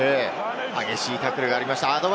激しいタックルが入りました。